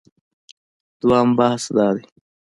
دویم بحث دا دی